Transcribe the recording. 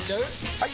・はい！